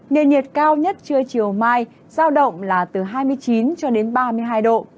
nền nhiệt cao nhất trưa chiều mai giao động là từ hai mươi chín cho đến ba mươi hai độ